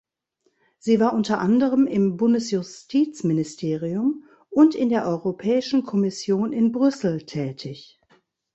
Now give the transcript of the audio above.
Sie war unter anderem im Bundesjustizministerium und in der Europäischen Kommission in Brüssel tätig.